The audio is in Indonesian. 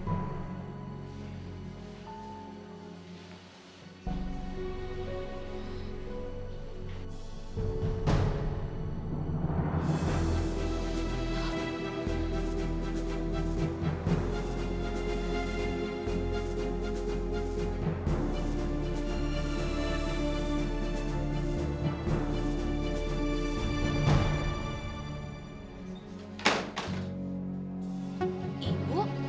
aku mau pergi dulu